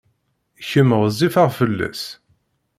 Kemm ɣezzifeḍ fell-as.